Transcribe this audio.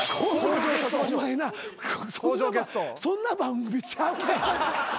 お前なそんな番組ちゃうねん。